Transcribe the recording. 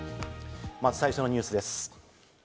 まず最初のニュースです。